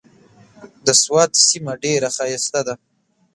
د سوات سيمه ډېره ښايسته ده۔